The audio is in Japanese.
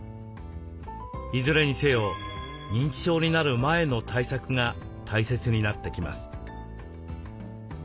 いずれにせよ認知症になる前の対策が大切になってきます。